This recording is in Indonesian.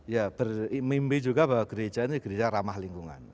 ya bermimpi juga bahwa gereja ini gereja ramah lingkungan